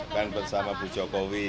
makan bersama bu jokowi